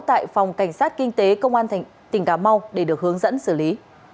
tại phòng cảnh sát kinh tế công an tỉnh cà mau để được hướng dẫn xử lý